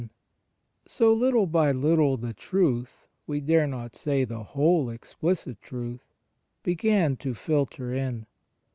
So, little by little, the truth — (we dare not say the whole explicit truth) — began to filter in.